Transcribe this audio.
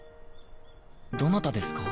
どなたですか？